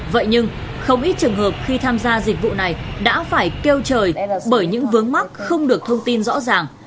vậy nhưng không ít trường hợp khi tham gia dịch vụ này đã phải kêu trời bởi những vướng mắt không được thông tin rõ ràng